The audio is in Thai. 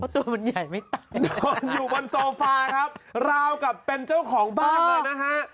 ตัวมันใหญ่ไม่ตายอยู่บนครับร้าวกับเป็นเจ้าของบ้าน